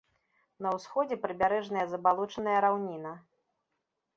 На ўсходзе прыбярэжная забалочаная раўніна.